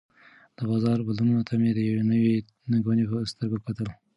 د بازار بدلون ته مې د یوې نوې ننګونې په سترګه وکتل.